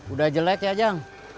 udah jelek ya jang